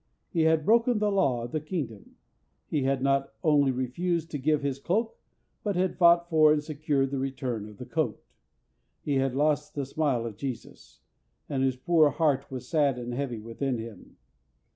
He had broken the law of the Kingdom. He had not only refused to give his cloak, but had fought for and secured the return of the coat. He had lost the smile of Jesus, and his poor heart was sad and heavy within him.